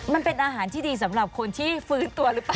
มันเป็นอาหารที่ดีสำหรับคนที่ฟื้นตัวหรือเปล่า